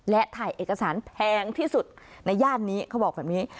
และถ่ายเอกสารแพงที่สุดในย่านนี้เขาบอกแบบนี้